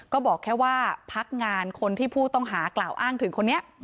ก็บอกแค่ว่าพักงานคนที่ผู้ต้องหากล่าวอ้างถึงคนนี้